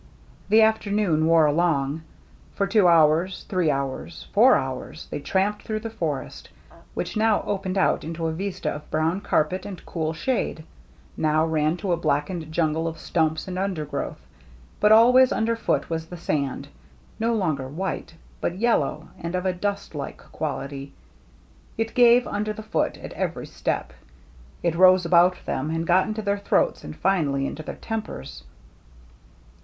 The afternoon wore along. For two hours, three hours, four hours, they tramped through the forest, which now opened out into a vista of brown carpet and cool shade, now ran to a blackened jungle of stumps and undergrowth ; but always underfoot was the sand, no longer white but yellow and of a dustlike quality. It gave under the foot at every step ; it rose about them and got into their throats and finally into their tempers.